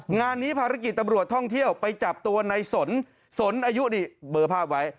งานนี้ภารกิจตำรวจท่องเที่ยวไปจับตัวในสนสนอายุนี่เบอร์ภาพไว้